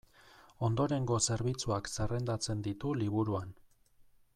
Ondorengo zerbitzuak zerrendatzen ditu liburuan.